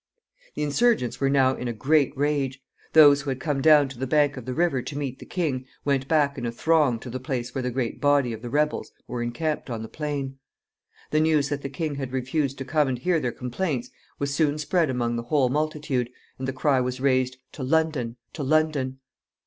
The insurgents were now in a great rage. Those who had come down to the bank of the river to meet the king went back in a throng to the place where the great body of the rebels were encamped on the plain. The news that the king had refused to come and hear their complaints was soon spread among the whole multitude, and the cry was raised, To London! To London!